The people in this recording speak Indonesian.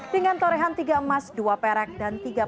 dengan torehan tiga emas dua perak dan tiga belas